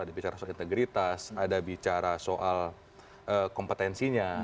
ada bicara soal integritas ada bicara soal kompetensinya